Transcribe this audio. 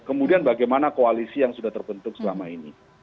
kemudian bagaimana koalisi yang sudah terbentuk selama ini